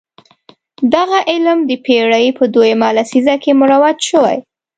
دغه علم د پېړۍ په دویمه لسیزه کې مروج شوی.